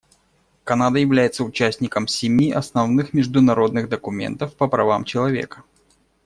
Канада является участником семи основных международных документов по правам человека.